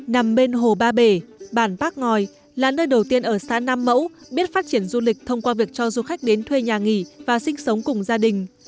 nằm bên hồ ba bể bản bác ngòi là nơi đầu tiên ở xã nam mẫu biết phát triển du lịch thông qua việc cho du khách đến thuê nhà nghỉ và sinh sống cùng gia đình